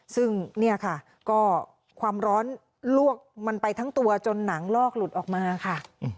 ซึ่งเนี่ยค่ะก็ความร้อนลวกมันไปทั้งตัวจนหนังลอกหลุดออกมาค่ะ